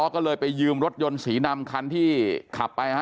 ก็เลยไปยืมรถยนต์สีดำคันที่ขับไปฮะ